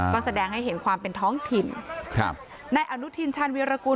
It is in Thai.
ก็แสดงให้เห็นความเป็นท้องถิ่นครับนายอนุทินชาญวีรกุล